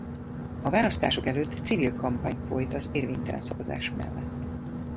A választások előtt civil kampány folyt az érvénytelen szavazás mellett.